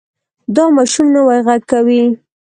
دا ماشوم نوی غږ کوي.